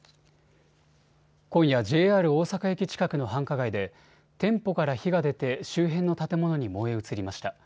今夜、ＪＲ大阪駅近くの繁華街で店舗から火が出て周辺の建物に燃え移りました。